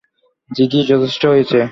জিগি, যথেষ্ট হয়েছে।